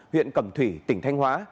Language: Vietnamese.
huyện cẩm thủy tỉnh thanh hóa